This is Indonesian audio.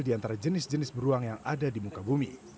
di antara jenis jenis beruang yang ada di muka bumi